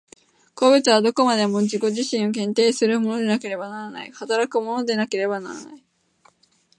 個物はどこまでも自己自身を限定するものでなければならない、働くものでなければならない。